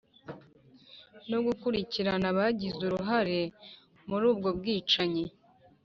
no mu gukurikirana abagize uruhare muri ubwo bwicanyi,